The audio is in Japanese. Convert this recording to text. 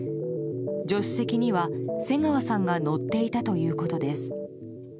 助手席には瀬川さんが乗っていたということです。